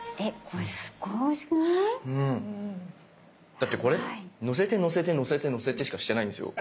だってこれのせてのせてのせてのせてしかしてないんですよ。